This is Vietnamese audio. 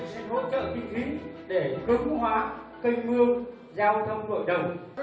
học viên xin hỗ trợ kinh khí để cơ khu hóa kênh mương giao thông ngội đồng